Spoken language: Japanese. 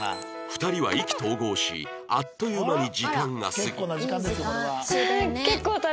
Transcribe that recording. ２人は意気投合しあっという間に時間が過ぎ